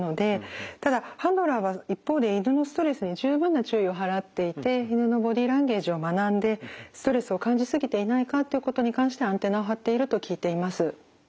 ただハンドラーは一方で犬のストレスに十分な注意を払っていて犬のボディーランゲージを学んでストレスを感じすぎていないかということに関してアンテナを張っていると聞いています。